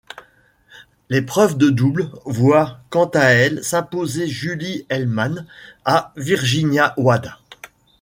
L'épreuve de double voit quant à elle s'imposer Julie Heldman et Virginia Wade.